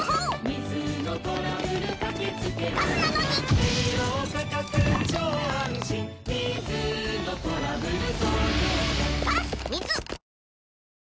水のトラブル